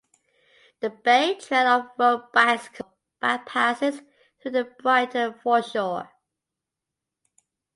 The Bay Trail off-road bicycle path passes through the Brighton foreshore.